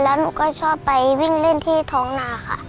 แล้วหนูก็ชอบไปวิ่งเล่นที่ท้องนาค่ะ